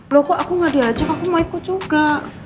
loh kok aku gak diajak aku mau ikut juga